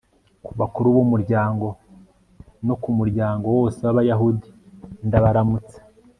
ku bakuru b'umuryango no ku muryango wose w'abayahudi, ndabaramutsa